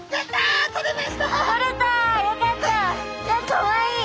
かわいい！